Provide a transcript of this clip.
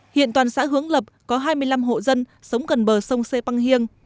hiện toàn xã hướng lập có hai mươi năm hộ dân sống gần bờ sông xê păng hiêng